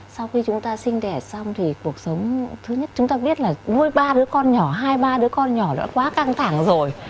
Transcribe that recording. sau khi chúng ta sinh đẻ xong thì cuộc sống thứ nhất chúng ta biết là nuôi ba đứa con nhỏ hai ba đứa con nhỏ đã quá căng thẳng rồi